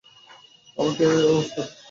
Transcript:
আমাকেও, স্যার!